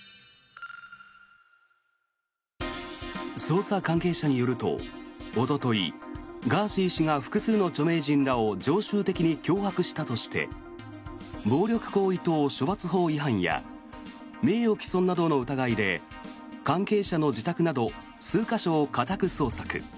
捜査関係者によると、おとといガーシー氏が複数の著名人らを常習的に脅迫したとして暴力行為等処罰法違反や名誉毀損などの疑いで関係者の自宅など数か所を家宅捜索。